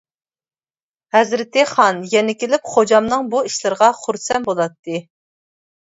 ھەزرىتى خان يەنە كېلىپ، خوجامنىڭ بۇ ئىشلىرىغا خۇرسەن بولاتتى.